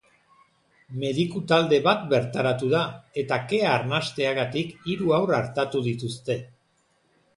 Mediku talde bat bertaratu da, eta kea arnasteagatik hiru haur artatu dituzte.